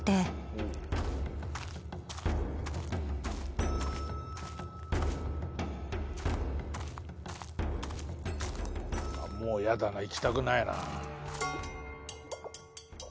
もうやだな行きたくないな。